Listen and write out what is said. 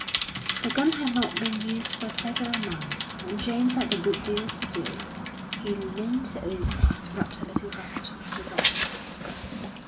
The gun had not been used for several months, and James had a good deal to do. He leant over and rubbed a little rust off the lock.